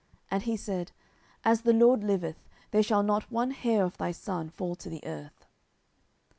And he said, As the LORD liveth, there shall not one hair of thy son fall to the earth.